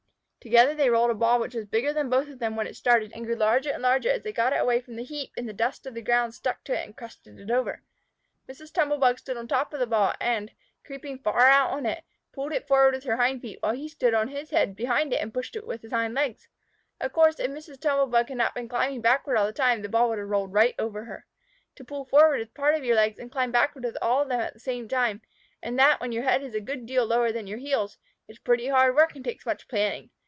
Together they rolled a ball which was bigger than both of them when it started, and grew larger and larger as they got it away from the heap and the dust of the ground stuck to it and crusted it over. Mrs. Tumble bug stood on top of the ball, and, creeping far out on it, pulled it forward with her hind feet, while he stood on his head behind it and pushed with his hind legs. Of course if Mrs. Tumble bug had not been climbing backward all the time, the ball would have rolled right over her. To pull forward with part of your legs and climb backward with all of them at the same time, and that when your head is a good deal lower than your heels, is pretty hard work and takes much planning.